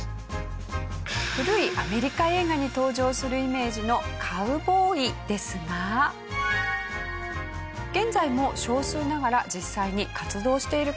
古いアメリカ映画に登場するイメージのカウボーイですが現在も少数ながら実際に活動している方がいるそうです。